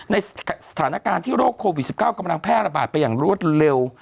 ในสถานการณ์ที่โรคโควิด๑๙กำลังแพร่ระบาดไปอย่างรวดเร็ว